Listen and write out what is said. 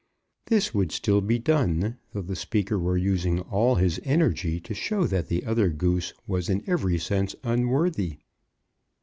This would still be done, though the speaker were using all his energy to show that that other Goose was in every sense unworthy.